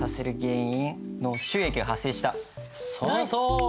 そのとおり！